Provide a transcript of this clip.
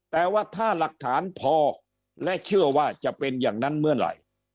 แต่ว่าถ้าหลักฐานพอและเชื่อว่าจะเป็นอย่างนั้นเมื่อไหร่